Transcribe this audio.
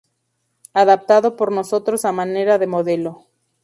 adaptado por nosotros a manera de modelo